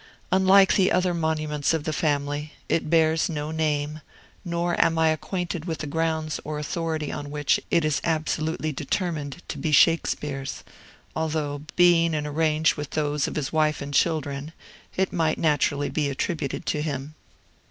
Unlike the other monuments of the family, it bears no name, nor am I acquainted with the grounds or authority on which it is absolutely determined to be Shakespeare's; although, being in a range with those of his wife and children, it might naturally be attributed to him.